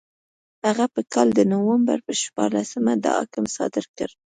هغه په کال د نومبر په شپاړسمه دا حکم صادر کړ.